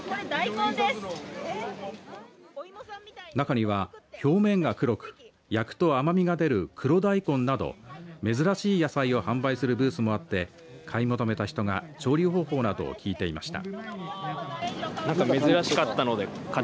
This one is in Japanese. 中には表面が黒く焼くと甘みが出る黒大根など珍しい野菜を販売するブースもあって買い求めた人が調理方法などを聞いていました。